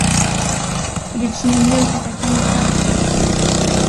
Il est inhumé aux catacombes de Paris.